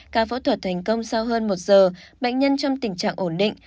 ca phẫu thuật thành công sau hơn một giờ bệnh nhân trong tình trạng ổn định